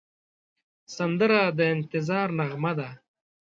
سندره د انتظار نغمه ده